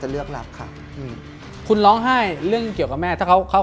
เลือกรับค่ะอืมคุณร้องไห้เรื่องเกี่ยวกับแม่ถ้าเขาเขา